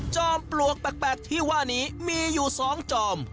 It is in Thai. ปลวกแปลกที่ว่านี้มีอยู่๒จอม